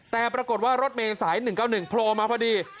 แต่ปรากฏว่ารถเมย์สาย๑๙๑โผล่มาพอดี